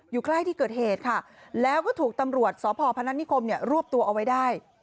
อยู่ใกล้ที่เกิดเหตุค่ะแล้วก็ถูกตำรวจสพพนัทนิคมเนี่ยรวบตัวเอาไว้ได้